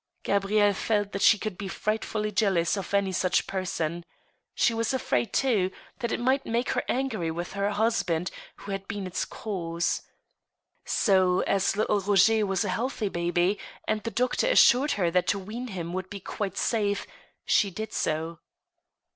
Gabrielle felt that she should be frightfully jealous of any such person. She was afraid, too, that it might make her angry with her husband, who had been its cause. So, as little Roger was a healthy baby, and the doctor assured her that to wean him would be quite safe, she did so.